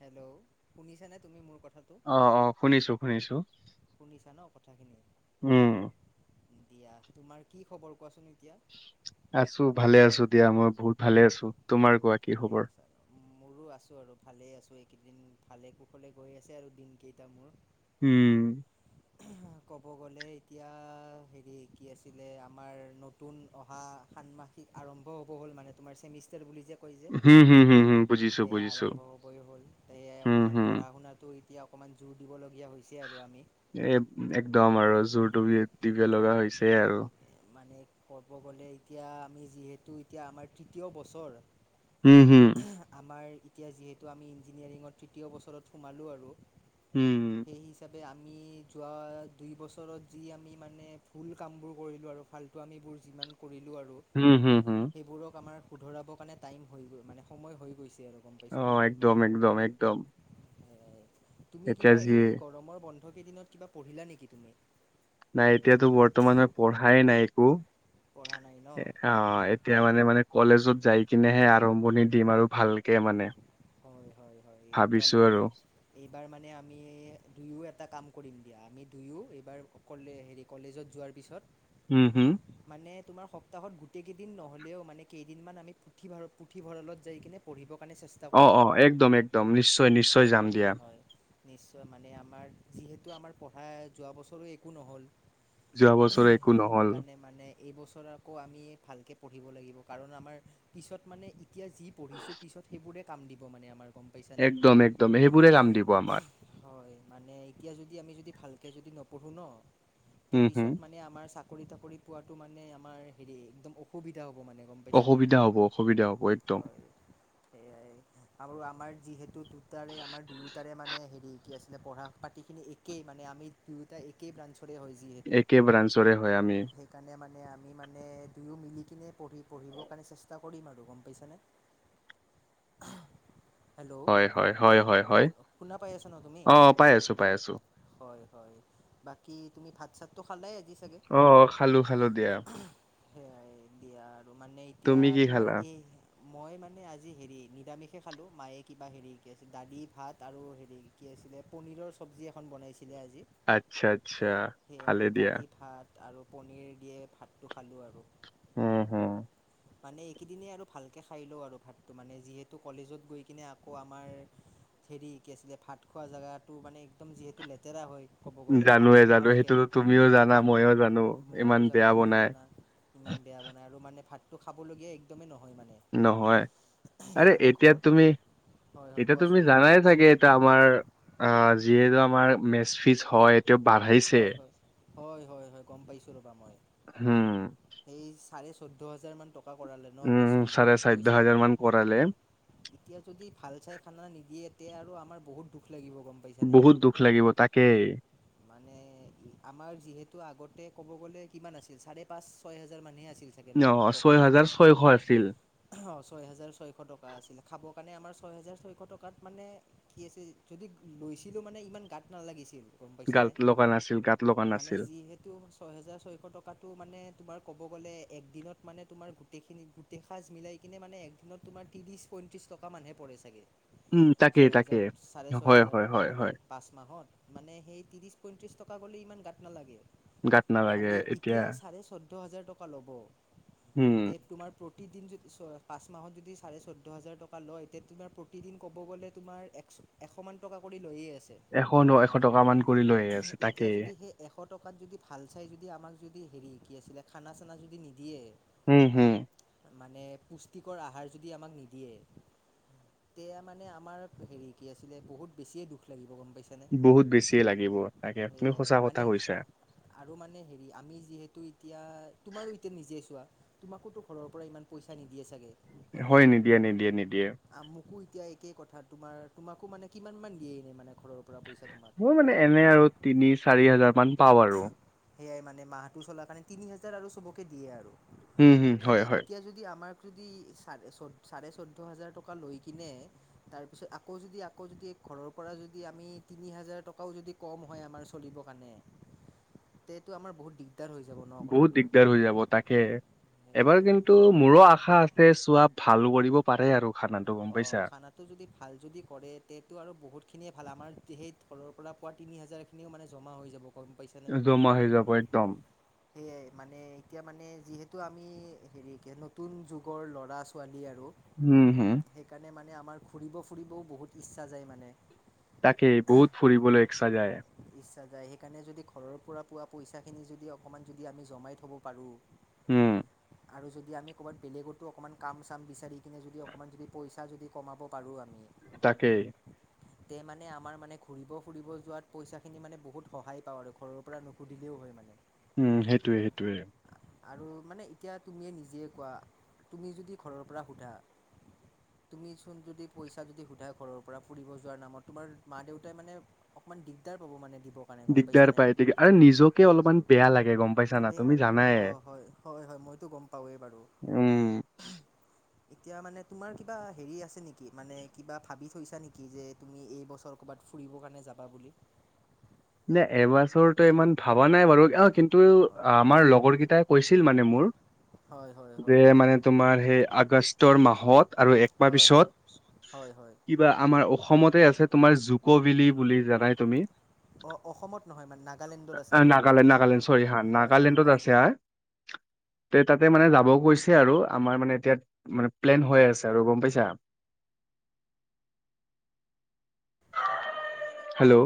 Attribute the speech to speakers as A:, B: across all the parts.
A: Hello শুনিছা নে তুমি মোৰ কথা
B: অহ অ শুনিছো শুনিছো
A: শুনিছা ন কথাখিনি
B: উম
A: দিয়া তোমাৰ কি খবৰ? কোৱাচোন এতিয়া
B: আছো ভালে আছো দিয়া মই বহুত ভালে আছো তোমাৰ কোৱা কি
A: ভালে
B: খবৰ?
A: আছা মোৰো আছো আৰু ভালে আছো এইকেইদিন ভালে কুশলে গৈ আছে আৰু দিন কেইটা মোৰ।
B: উম।
A: ক'ব গ'লে এতিয়া হেৰি কি আছিলে আমাৰ নতুন অহা খানমাতিত আৰম্ভ হ'ব হ'ল মানে তোমাৰ চেমিষ্টাৰ বুলি যে হৈ যে
B: হম হম হম হম বুজিছো
A: সেয়া
B: বুজিছো
A: আৰম্ভ হবই হ'ল এয়াই
B: হম
A: অকমান
B: হম।
A: পঢ়া শুনাটো এতিয়া অক অকমান জোৰ দিব লগীয়া হৈছে আৰু আমি।
B: এ একদম আৰু জোৰটো দি দিব লগা হৈছে আৰু।
A: মানে ক'ব গ'লে এতিয়া আমি যিহেতু এতিয়া আমাৰ তৃতীয় বছৰ
B: হুম হুম।
A: আমাৰ এতিয়া যিহেতু আমি ইঞ্জিনিয়াৰিঙত তৃতীয় বছৰত সোমালোঁ আৰু
B: হুম।
A: সেই হিচাপে আমি যোৱা দুই বছৰত যি আমি মানে ভুল কামবোৰ কৰিলোঁ আৰু ফাল্টু আমিবোৰ যিমান কৰিলো আৰু
B: হম হম হম
A: সেইবোৰক আমাৰ শুধৰাবৰ কাৰণে টাইম হৈ গৈ মানে সময় হৈ গৈছে। আৰু গম
B: অ
A: পাইছানে
B: একদম একদম একদম।
A: তুমি
B: এতিয়া
A: কিবা
B: যি
A: এই গৰমৰ বন্ধকেই দিনত কিবা পঢ়িলা নেকি তুমি?
B: নাই এতিয়াতো বৰ্তমান মই পঢ়াই নাই
A: পঢ়া নাই ন
B: অ এতিয়া মানে মানে কলেজত যাই কিনেহে আৰম্ভণি দিম আৰু ভালকে মানে।
A: হয় হয় হয় একদম
B: ভাবিছো আৰু
A: মানে এইবাৰ মানে আমি দুয়ো এটা কাম। কৰিম দিয়া আমি দুয়ো এইবাৰ ক'লে হেৰি কলেজত যোৱাৰ পিছত
B: উম হম।
A: মানে তোমাৰ। সপ্তাহত গোটেইকেইদিন নহ'লেও মানে কেইদিনমান আমি পুথিভঁৰ পুথিভঁৰালত যাই কিনে পঢ়িব।
B: অ অ একদম একদম নিশ্চয় নিশ্চয় যাম দিয়া।
A: হয় হয় নিশ্চয় মানে আমাৰ যিহেতু আমাৰ পঢ়া যোৱা বছৰো একো নহ'ল।
B: যোৱা বছৰে একো নহ'ল।
A: সেইকাৰণে মানে এইবছৰ আকৌ আমি ভালকৈ পঢ়িব লাগিব কাৰণ আমাৰ পিছত মানে এতিয়া যি পঢ়ি পিছত সেইবোৰে কাম দিব মানে আমাৰ। গম পাইছা নে?
B: একদম একদম সেইবোৰে কাম দিব আমাৰ
A: হয় মানে এতিয়া যদি আমি যদি ভালকৈ যদি নপঢ়োঁ ন, তে
B: উম হম
A: পিছত মানে আমাৰ চা কৰি তাকৰি পোৱাটো মানে আমাৰ হেৰি একদম অসুবিধা হ'ব। মানে গম পাইছানে
B: অসুবিধা হ'ব অসুবিধা হ'ব একদম।
A: সেইয়াই আৰু আমাৰ যিহেতু দুটাৰে আমাৰ দুয়োটাৰে মানে হেৰি কি আছিলে পঢ়া পাতিখিনি একেই মানে আমি দুয়োটা একেই ব্ৰাঞ্চ ৰে হয় যিহেতু,
B: একে ব্ৰাঞ্চৰে হয় আমি
A: সেইকাৰণে মানে আ আমি মানে দুয়ো মিলি কিনে পঢ়ি পঢ়িবৰ কাৰণে চেষ্টা কৰিম আৰু গম পাইছ নে? [unintelligible]
B: হয় হয় হয় হয় হয়।
A: শুন শুনা পাই আছা ন তুমি
B: অঁ পাই আছো পাই আছো।
A: হয় হয়। বাকি তুমি ভাত চাতটো খালে?
B: অ খালো খালো দিয়া।
A: সেয়াই দিয়া আৰু মানে এতিয়া
B: তুমি কি
A: তোমাৰ
B: খালা
A: এই মই মানে আ জি হেৰি নিৰামিষে খালো মায়ে কিবা হেৰি বনাইছিল দালি ভাত আৰু হেৰি কি আছিলে পনীৰৰ চব চবজি এখন বনাইছে।
B: আচ্ছা আচ্ছা
A: সেয়াই
B: ভালে দিয়া।
A: দালি ভাত আৰু পনীৰ দিয়ে ভাতটো খালোঁ আৰু।
B: উম হম।
A: মানে এইকেইদিনে আৰু ভালকে খাই লওঁ আৰু ভাত তো মানে যিহেতু কলেজত গৈ কিনে আকৌ আমাৰ হেৰি কি আছিলে ভাত খোৱা জেগাটো মানে একদম যিহেতু লেতেৰা হয়। ক'ব গ'লে
B: জানোয়ে
A: ভাতটো
B: জানোয়ে
A: ভালকৈ
B: সেইটোতো তুমিও জানা
A: ভাত
B: মইও জানো
A: ময়ো
B: ইমান
A: জানো
B: বেয়া
A: তুমিও
B: বনাই।
A: জানা ইমান বেয়া বনাই আৰু মানে ভাতটো খাবলগীয়া একদমেই নহয় মানে।
B: নহয়। আৰে
A: সেইকাৰণে
B: এতিয়া
A: ঘৰত
B: তুমি
A: হয় হয়
B: এতিয়া তুমি
A: কোৱাচোন
B: জানাই চাগে এইটো আমাৰ আহ যিহেতু আমাৰ মেচ ফিছ হয় এইটো বাঢ়িছে।
A: হয় হয় হয় হয় হয় গম পাইছো ৰবা মই।
B: হম।
A: এই চাৰে চৈধ্য হাজাৰ মান টকা কৰালে ন মেচ
B: উম
A: ফিজৰ
B: চাৰে চৈধ্য
A: পইচাটো।
B: হাজাৰ মান কৰালে
A: এতিয়া যদি ভাল চাই খানা নিদিয়ে এতিয়া আৰু আমাৰ বহুত দুখ লাগিব গম পাইছানে
B: বহুত দুখ লাগিব তাকেই।
A: মানে আমাৰ যিহেতু আগতে ক'ব গলে কিমান আছিল, চাৰে পাঁচ ছয় হাজাৰ মানেই আ ছিল চাগে ন
B: অ
A: টকা
B: ছয়
A: খিনি,
B: হাজাৰ ছয়শ আছিল
A: অ ছয় হাজাৰ ছয়শ টকা আছিল খাব মানে আমাৰ ছয় হেজাৰ ছয়শ টকাত মানে কি আছে যদি লৈছিলোঁ মানে ইমান গাত নালাগিছিল। গম পাইছ
B: গাত
A: নে
B: লগা নাছিল গাত লগা
A: মানে
B: নাছিল
A: যিহেতু ছয় হেজাৰ ছয়শ টকাটো মানে তোমাৰ ক'ব গ'লে একদিনত মানে তোম গোটেইখিনি গোটেই সাজ মিলাই কিনে মানে একদিনত তোমাৰ ত্ৰিশ পঁইত্ৰিশ টকা মানহে পৰে চাগে।
B: উম তাকেই
A: ছয়
B: তাকে
A: হোজাৰ চাৰে ছয়
B: হয়
A: হোজাৰ
B: হয়
A: টকা
B: হয়
A: হ'লে
B: হয়
A: পাঁচ মাহত মানে এই ত্ৰিছ পঁইত্ৰিছ টকা গ'লে ইমান গাঁত নালাগে।
B: গাত নালাগে
A: খালি
B: এতিয়া
A: চাৰে চৈধ্য হাজাৰ টকা ল'ব।
B: উম
A: তে তোমাৰ প্ৰ প্ৰতিদিন যদি পাঁচ মাহত যদি চাৰে চৈধ্য হাজাৰ টকা লয়, তেতিয়া তোমাৰ প্ৰতিদিন ক'ব গ'লে তোমাৰ এক এশ মান টকা কৰি লৈয়ে। আছে
B: এশ ন এশ। টকা মান কৰি লৈ আহি আছে
A: এতিয়া
B: তাকেই
A: যদি সেই এশ টকাত যদি ভাল চাই যদি আমাক যদি হেৰি কি আছিলে খানা চানা যদি নিদিয়ে
B: হম হম।
A: মানে পুষ্টিকৰ আহাৰ যদি আমাক নিদিয়ে তেতিয়া মানে আমাৰ হেৰি কি আছিলে বহুত বেছিয়ে দুখ লাগিব গ
B: বহুত বেছিয়ে লাগিব তাকে তুমি সঁচা
A: স
B: কথা
A: মানে
B: কৈছা
A: আৰু মানে হেৰি আমি যিহেতু এতিয়া তোমাৰো এতিয়া নিজে তোমাকতো ঘৰৰ পৰা ইমান পইচা নিদি আছিল। গে হয়নে
B: হয়
A: নাই
B: নিদিয়ে নিদিয়ে নিদিয়ে
A: আমাকো এতিয়া একেই কথা তোমাৰ তোমাকো মানে কিমান মান দিয়ে এনেই মানে ঘৰৰ পৰা পইচা তোমাক
B: মোৰ মানে এনে আৰু তিনি চাৰি হাজাৰ মান পাও আৰু
A: সেয়াই মানে মাহটো চলাৰ কাৰণে তিনি হোজাৰ আৰু চবকে দিয়ে আৰু
B: উম হুম হয়
A: খালী
B: হয়।
A: এতিয়া যদি আমাৰ [unintelligible] যদি চাৰে চাৰে চৈধ্য হাজাৰ টকা লৈ কিনে তাৰপিছত আকৌ যদি আকৌ যদি [inaudible] [unintelligible] ঘৰৰ পৰা যদি আমি তিনি হাজাৰ টকাও যদি কম হয় আমাৰ চলিব কাৰণে [inaudible] [unintelligible] সেইটোৱেই আমাৰ বহুত দিশ [inaudible]
B: বহুত দিগদাৰ হৈ যাব তাকে এবাৰ কিন্তু মোৰো আশা আছে [inaudible] চোৱা ভাল কৰিব পাৰে আৰু [unintelligible] গম
A: অ
B: পাইছা।
A: খানা যদি ভাল যদি কৰে তেতিয়াটো আৰু বহুত খিনিয়ে ভাল আমাৰ সেই তলৰ পৰা পোৱা তিনি হাজাৰখিনিও মানে জমা হৈ যাব [inaudible]
B: জমা হৈ যাব একদম
A: সেয়াই মানে এতিয়া মানে যিহেতু আমি হেৰি নতুন যুগৰ ল'ৰা ছোৱালী আৰু
B: হুম-হুম
A: সেইকাৰণে মানে আমাৰ ঘূৰিব ফুৰিবও বহুত ইচ্ছা যায় মানে
B: তাকেই বহুত ফুৰিবলৈ ইচ্ছা যায়।
A: ইচ্ছা যায় সেইকাৰণে যদি ঘৰৰ পৰা পোৱা পইচাখিনি যদি অকণমান যদি আমি জমাই থ'ব পাৰোঁ।
B: উম
A: আৰু যদি আমি ক'ৰবাত বেলেগতো অকণমান কাম-চাম বিচাৰি কিনে যদি অকণমান যদি পইচা যদি কমাব পাৰোঁ আমি।
B: তাকেই
A: তেতিয়া মানে আমাৰ মানে ঘূৰিব ফুৰিব যোৱাত পইচাখিনি মানে বহুত সহায় পাওঁ আৰু ঘৰৰ পৰা নুখুজিলেও হয় মানে
B: উম সেইটোৱেই-সেইটোৱেই
A: আৰু মানে এতিয়া তুমিয়ে নিজে কোৱা তুমি যদি ঘৰৰ পৰা খোজা তুমি চোন যদি পইচা যদি খোজাই ঘৰৰ পৰা ফুৰিব যোৱাৰ নামত তোমাৰ মা দেউতাই মানে ইমান দিগদাৰ পাব মানে দিবৰ কাৰণে গম
B: দিগদাৰ
A: পাইছানে
B: পায় আৰু নিজকে অলপমান বেয়া লাগে। গম পাইছা না
A: বেয়া
B: তুমি
A: লাগে
B: জানাই।
A: অ হয় হয় হয় মইতো গম পাওৱেই বাৰু
B: উম।
A: এতিয়া মানে তোমাৰ কিবা হেৰি আছে নেকি মানে কিবা ভাবি থৈছা নেকি যে তুমি এইবছৰ ক'ৰবাত। ফুৰিবৰ কাৰণে যাবা বুলি
B: [inaudible] নে এবছৰটো ইমান ভবা নাই বাৰু অ কিন্তু
A: হয়
B: আমাৰ লগৰকেইটাই কৈছিল মানে মোৰ
A: হয় হয়
B: যে
A: হয়
B: মানে তোমাৰ সেই আগষ্টৰ মাহত আৰু একমাহৰ
A: হয়
B: পিছত
A: হয় হয় হয়
B: কিবা আমাৰ অসমতে আছে। তোমাৰ জুকবিলি বুলি জানাই তুমি
A: অ অসমত নহয় মানে নাগালেণ্ডত আছে
B: আ,
A: সেইটো
B: নাগালেণ্ড নাগালেণ্ড চৰি হা
A: হয় হয়
B: নাগালেণ্ডত
A: হয়।
B: আছে হা [unintelligible] তে তাতে মানে যাবও কৈছে আৰু আমাৰ মানে এতিয়া মানে প্লেন হৈ আছে আৰু গম পাইছা। [inaudible] হেল্ল'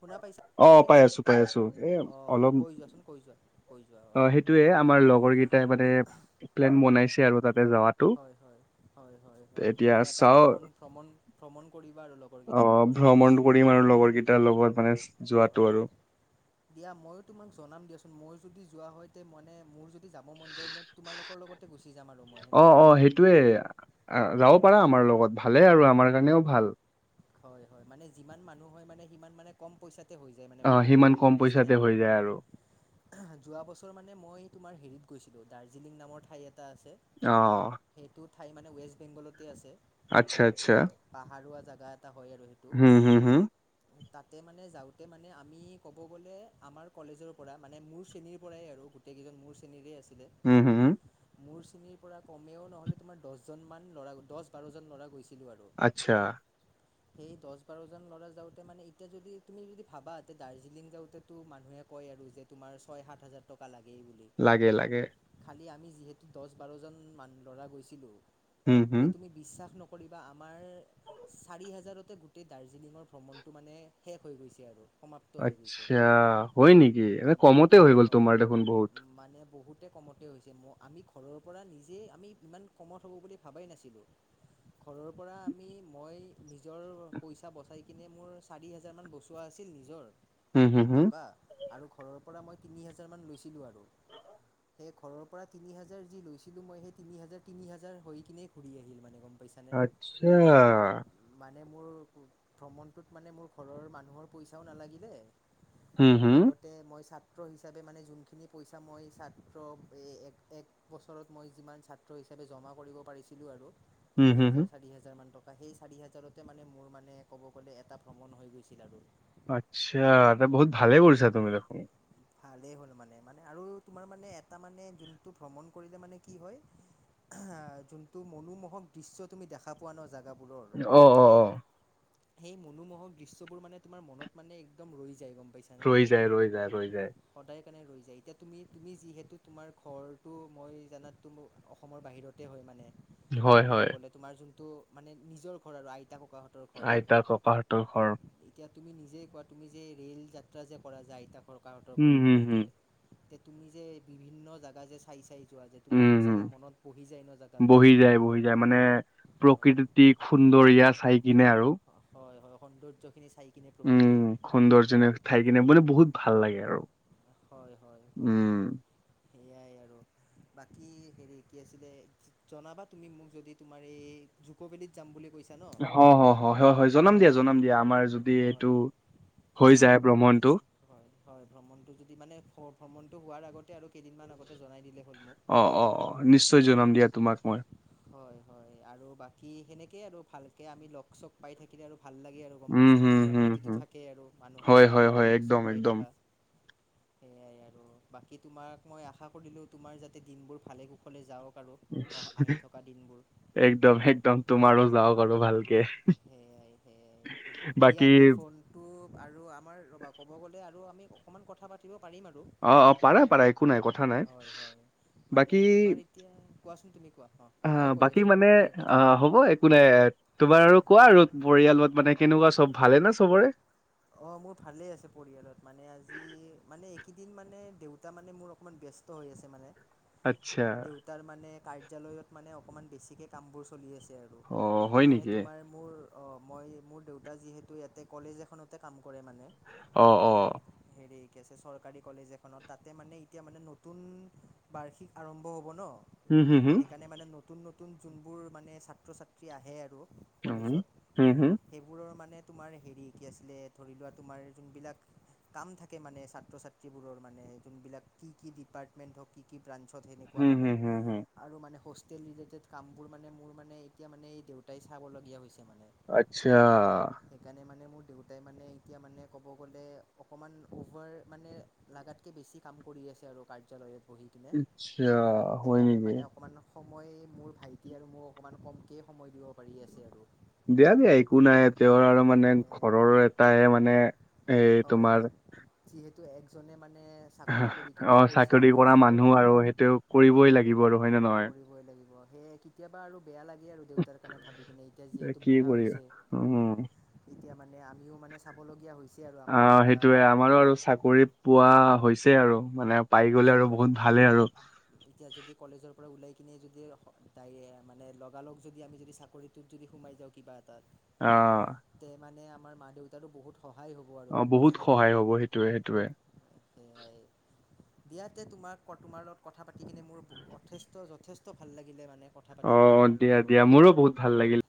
A: শুনা পাইছা
B: অ
A: তুমি
B: পাই আছোঁ পাই আছোঁ
A: অ ক
B: অলপ
A: কৈ যোৱাচোন কৈ যোৱা কৈ যোৱা
B: অ সেইটোৱেই আমাৰ লগৰকেইটাই মানে প্লেন বনাইছে আৰু তাত
A: হয় হয় হয় হয় হয়
B: এতিয়া
A: মানে এটা
B: চাও
A: ভ্ৰমণ ভ্ৰমণ ভ্ৰমণ কৰিবা লগ
B: অ ভ্ৰমণ কৰিম আৰু লগৰকেইটাৰ লগত মানে যোৱাটো
A: হয়
B: আৰু
A: হয় দিয়া ময়ো তোমাক জনাম দিয়াচোন মই। যদি যোৱা হয় তে মানে মোৰ যদি যাব মন যে তোমালোকৰ লগতে গুচি যাম আৰু মই সেনেকুৱা হ'লে।
B: আহ যাব
A: হয়
B: পাৰা আমাৰ লগত ভালে আৰু আমাৰ জনিও ভাল।
A: হয় হয় মানে যিমান মানুহ হয় মানে সিমান মানে কম পইচাত। ইয়াতে
B: অ
A: ভ্ৰমণ
B: সিমান
A: বোৰ গম
B: কম
A: পাই নে
B: পইচাতে হৈ যায় আৰু
A: যোৱা বছৰ মানে মই তোমাৰ হেৰিত গৈছিলোঁ দাৰ্জিলিং নামৰ ঠাই এটা আছে
B: অ
A: সেইটো ঠাই মানে ৱেষ্ট বেংগলত ইয়াতে আছে
B: আচ্ছা আচ্ছা
A: পাহাৰোৱা জাগা এটা হয় আৰু সেইটো
B: হুম হুম হুম
A: তাতে মানে যাওঁতে মানে আমি ক'ব গ'লে আমাৰ কলেজৰ পৰা মানে মোৰ শ্ৰেণীৰ পৰাই আৰু গোটেই কেইজন মোৰ শ্ৰেণীৰে আছে
B: উম হম উম
A: খিনিৰ পৰা কমেও নহ'লে তোমাৰ দহজন মান ল'ৰা দহ বাৰজন ল'ৰা গৈছে।
B: আচ্ছা
A: সেই দহ বাৰজন ল'ৰা যাওঁতে মানে এতিয়া যদি তুমি যদি ভাবা এ দাৰ্জিলিং যাওঁতে তো মানুহে কয় আৰু যে তোমাৰ ছয় সাত হাজাৰ টকা লাগে।
B: লাগে লাগে।
A: [inaudible] কৰিবা
B: হুম হুম
A: আমাৰ চে- চাৰি হাজাৰতে গোটেই দাৰ্জিলিং ভ্ৰমণতো মানে শেষ হৈ গৈছে আৰু -
B: আচ্ছা হয় নেকি এ
A: মান
B: কমতে হৈ গ'ল তোমাৰ দেখোন বহুত।
A: কমতে কমতে হৈছে ম আমি ঘৰৰ পৰা নিজেই আমি ইমান কমত হ'ব বুলি ভাবাই নাছিলোঁ। ঘৰৰ পৰা আমি মই নিজৰ পইচা বচাই কিনে মোৰ চাৰি হোজাৰমান বচোৱা আছিল নিজৰ।
B: হম হম হম
A: টকা আৰু ঘৰৰ পৰা মই তিনি হাজাৰমান লৈছিলোঁ আৰু। সেই ঘৰৰ পৰা তিনি হাজাৰ যি লৈছিলোঁ মই সেই তিনি হাজাৰ তিনি হাজাৰ হৈ কিনে ঘুৰি আহিলোঁ মানে গম- পাইছানে
B: আচ্ছা
A: মানে মোৰ ভ্ৰমণটোত মানে মোৰ ঘৰৰ মানুহৰ পইচাও নালাগিলে
B: হুম হুম
A: লগতে মই- ছাত্ৰ হিচাপে মানে যোনখিনি পইচা মই ছাত্ৰ এক বছৰত মই যিমান ছাত্ৰ হিচাপে জমা কৰিব পাৰিছিলোঁ আৰু
B: হুম
A: তিনি
B: হুম
A: হাজাৰ
B: হুম
A: চাৰি হাজাৰ মান টকা সেই চাৰি হাজাৰতে মানে মোৰ মানে ক'ব গ'লে এটা ভ্ৰমণ হৈ গৈছিল আৰু
B: আচ্ছা এটা বহুত ভালে কৰিছা তুমি দেখোন
A: ভালেই হ'ল মানে মানে আৰু তোমাৰ মানে এটা মানে যোনটো ভ্ৰমণ কৰিলে মানে কি হয় আহ যোনটো মনোমোহক দৃশ্য তুমি দেখা পোৱা ন জেগাবোৰৰ
B: অ অ অ
A: সেই মনোমোহক দৃশ্যবোৰ মানে তোমাৰ মনত মানে একদম ৰৈ যায় গম। পাইছানে
B: ৰৈ যায় ৰৈ যায় ৰৈ যায়
A: সদায় কাৰণে ৰৈ যায় এতিয়া তুমি তুমি যিহেতু তোমাৰ ঘৰটো মই জানাত তো অসমৰ বাহিৰতে হয় মানে
B: হয়
A: ক'ব
B: হয়
A: গ'লে তোমাৰ যোনটো মানে নিজৰ ঘৰ আৰু আইতা ককাহঁতৰ ঘৰ
B: পাৰটোৰ ঘৰ
A: এতিয়া তুমি নিজে কোৱা তুমি যে ৰে'ল যাত্ৰা যে কৰা যায় আইতা ককাহঁতৰ
B: উম হুম হুম
A: ঘৰলৈকে। তে তুমি যে বিভিন্ন জাগা যে চাই চাই যোৱা যে
B: উম
A: তোমাৰতো
B: হুম
A: চাগে মনত পঢ়ি যায় ন জেগাবোৰ হয়
B: প্ৰকৃতি সুন্দৰীয়া চাই কিনে আৰু
A: হয়- হয় সৌন্দৰ্য
B: উম সৌন্দৰ্যনক থাই কিনে মানে বহুত ভাল লাগে আৰু
A: হয় হয় হয়
B: উম।
A: সেয়াই আৰু
B: [unintelligible]
A: বাকী হেৰি কি আছিলে জনাবা তুমি মোক যদি তোমাৰ এই জুকবদিত যাম বুলি কৈছ।
B: অ হয় হয় হয় হয় জনাম দিয়া জনাম দিয়া আমাৰ যদি
A: হয়
B: এইটো। হৈ যায় ভ্ৰমণটো
A: হয় হয় ভ্ৰমণটো যদি মানে ভ্ৰমণটো হোৱাৰ আগতে আৰু কেইদিনমান আগতে জনাই দিলে হ'ল। মোক
B: অ অ অ নিশ্চয় জনাম দিয়া তোমাক মই।
A: হয় হয় আৰু বাকী সেনেকে আৰু ভালকে আমি লগ চগ পাই থাকিলে আৰু। ভাল লাগে আৰু গম
B: উম
A: পাইছে নে
B: হম
A: মিলা
B: হম
A: -প্ৰীতিটো
B: হম
A: থাকেই আৰু মানুহৰ
B: হয়
A: মাজত
B: হয়
A: যদি
B: হয়
A: লগ চগ
B: একদম
A: পাই
B: একদম
A: থাকা। সেইয়াই আৰু বাকী তোমাক মই আশা কৰিলো তোমাৰ যাতে দিনবোৰ ভালে কুশলে যাওক। আৰু অহ আহি
B: [unintelligible]
A: থকা দিনবোৰ
B: একদম -একদম তোমাৰো যাওক আৰু ভালকে। বাকী
A: দিয়াতে ফোনটো আৰু আমাৰ ৰবা ক'ব গ'লে। আমি অকণমান কথা পাতিব পাৰিম আৰু
B: অ অ পাৰা পাৰা একো নাই কথা নাই
A: হয় হয় মানে
B: বাকী
A: তোমাৰ এতিয়া কোৱাচোন। তেনেকুৱা অ।
B: অ
A: ময়ে কৈ
B: বাকী
A: আছোঁ ৰ'বা
B: মানে
A: তুমি
B: অ
A: কোৱাচোন
B: হ'ব একো নাই তোমাৰ আৰু কোৱা আৰু পৰিয়ালত মানে। ভৱা সব ভালে ন সবৰে।
A: অ মোৰ ভালে আছে পৰিয়ালত মানে আজি মানে এইকেইদিন মানে। দেউতা মানে মোৰ অকণমান ব্যস্ত হৈ আছে মানে।
B: আচ্ছা।
A: দেউতাৰ মানে কাৰ্যালয়ত মানে অকণমান বেছিকৈ কামবোৰ চলি আছে।
B: অ হয় নেকি?
A: অ মই মোৰ দেউতা যিহেতু ইয়াতে কলেজ এখনতে কাম কৰে মানে
B: আহ অ
A: হেৰি কি আ চৰকাৰী কলেজ এখনত তাতে মানে এতিয়া মানে নতুন বাৰ্ষিক আৰম্ভ হ'ব ন।
B: হুম হুম হুম
A: সেইকাৰণে মানে নতুন নতুন যোনবোৰ মানে ছাত্ৰ- ছাত্ৰী আহে আৰু
B: উম
A: কলেজত
B: হুম হুম
A: সেইবোৰৰ মানে তোমাৰ হেৰি কি আছিলে। ধৰি লোৱা তোমাৰ যোনবিলাক কাম থাকে মানে ছাত্ৰ ছাত্ৰীবোৰৰ মানে যোনবিলাক কি কি? ডিপাৰ্টমেণ্ট হওক কি কি ব্ৰাঞ্চত সেনেকুৱা
B: হুম
A: মানে
B: হুম হুম হুম
A: আৰু মানে হোতেল ৰিলেটেড কামবোৰ মানে মোৰ মানে এতিয়া মানে এই দেউতাই চাবলগীয়া হৈছে মানে
B: আচ্ছা
A: সেইকাৰণে মানে মোৰ দেউতাই মানে এতিয়া মানে ক'ব গ'লে অকমান অভাৰ মানে লাগাতকে বেছি কাম কৰি আছে। কাৰ্যালয়
B: আচ্ছা হয় নেকি।
A: মানে অকণমান সময় মোৰ ভাইটি আৰু মোৰ অকণমান কমকে সময়। দিব পাৰি আছে আৰু
B: দিয়া -দিয়া একো নাই তেওঁৰ আৰু মানে ঘৰৰ এটাহে মানে এই
A: হয়
B: তোমাৰ
A: -হয় যিহেতু একজনে মানে চাকৰি কৰি কিনে
B: অ
A: পইচা
B: চাকৰি
A: আনি
B: কৰা
A: আছে
B: মানুহ
A: ঘৰত
B: আৰু সেইটো কৰিবই লাগিব আৰু হয় নে নহয়।
A: ল সে কেতিয়াবা আৰু বেয়া লাগে আৰু দেউতাৰ কাৰণে ভাবি কিনে এতিয়া
B: এ,
A: যিহেতু
B: কি
A: বুঢ়া
B: কৰিবা
A: হৈছে।
B: [inaudible]
A: এতিয়া মানে আমিও মানে চাবলগীয়া হৈছে। আৰু
B: অ
A: আমাৰ দেউতা
B: সেইটোয়ে আমাৰো
A: মাহঁতক
B: আৰু চাকৰি পোৱা হৈছে আৰু। মানে পাই
A: অ
B: গ'লে আৰু
A: চাকৰি
B: বহুত ভালে আৰু
A: এতিয়া যদি কলেজৰ পৰা ওলাই। কিনি যদি তাই মানে লগালগ যদি আমি যদি চাকৰিটোত যদি সোমাই যাওঁ কিবা। ত
B: অ',
A: তে মানে আমাৰ মা দেউতাৰো বহুত। সহায় হ'ব আৰু
B: অ
A: গম
B: বহুত
A: পাইছানে তুমি
B: সহায় হ'ব সেইটোয়ে সেইটোৱে।
A: সেয়াই দিয়াতে তোমাক তোমাৰ লগত কথা পাতি কিনে মোৰ যথেষ্ট -যথেষ্ট ভাল লাগিলে মানে। কথা
B: অ
A: পাতি কিনে
B: অ
A: তোমাৰ
B: দিয়া- দিয়া
A: লগত
B: মোৰো বহুত ভাল লাগিল।